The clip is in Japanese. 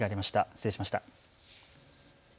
失礼しました。